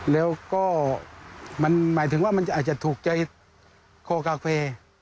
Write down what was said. แล้วก็มันหมายถึงว่ามันอาจจะถูกใจคอกาแฟ